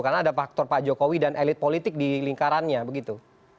karena ada faktor pak jokowi dan elit politik di lingkarannya begitu